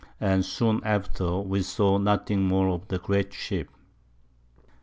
and soon after we saw nothing more of the great Ship.